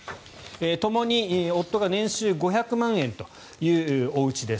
ともに夫が年収５００万円というおうちです。